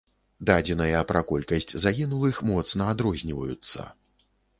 Дадзеныя пра колькасць загінулых моцна адрозніваюцца.